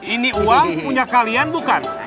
ini uang punya kalian bukan